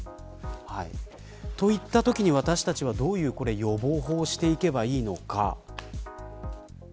といったときに私たちはどういう予防法をしていけばいいのか。